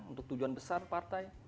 untuk tujuan besar partai